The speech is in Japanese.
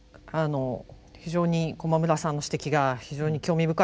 非常に駒村さんの指摘が非常に興味深いなと思いました。